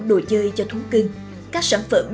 đồ chơi cho thú cưng các sản phẩm